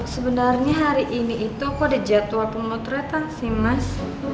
sebenarnya hari ini kok ada jadwal pemotretan sih mas